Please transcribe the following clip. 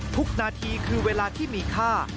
ทุกนาทีคือเวลาที่มีค่า